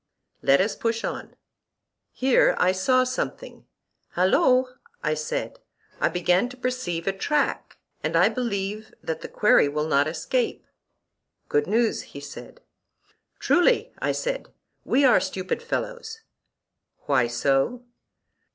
Let us push on. Here I saw something: Halloo! I said, I begin to perceive a track, and I believe that the quarry will not escape. Good news, he said. Truly, I said, we are stupid fellows. Why so?